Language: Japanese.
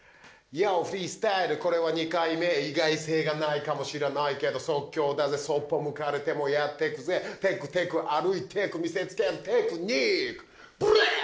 フリースタイルこれは２回目意外性がないかもしれないけど即興だぜそっぽ向かれてもやってくぜてくてく歩いてく見せつけるテクニックｂｒｏ！